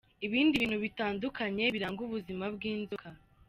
Ibindi bintu bitandukanye biranga ubuzima bw’inzoka.